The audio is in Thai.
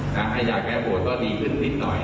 ให้ยาแก้ปวดก็ดีขึ้นนิดหน่อย